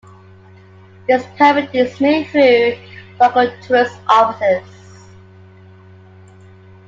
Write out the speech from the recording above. This permit is made through local tourist offices.